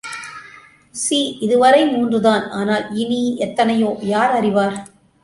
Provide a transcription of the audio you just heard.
C இதுவரை மூன்றுதான், ஆனால் இனி எத்தனையோ, யார் அறிவார்?